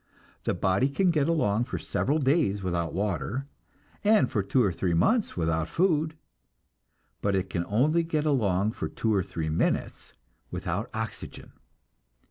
The body can get along for several days without water, and for two or three months without food, but it can only get along for two or three minutes without oxygen.